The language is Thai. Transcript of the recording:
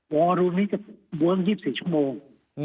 วารุณนี้จะวื้ง๒๔ชั่วโมง